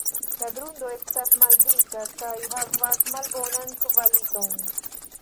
La grundo estas maldika kaj havas malbonan kvaliton.